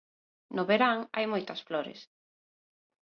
No verán hai moitas flores.